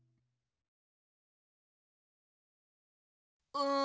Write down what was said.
うん。